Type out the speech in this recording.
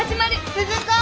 ・鈴子！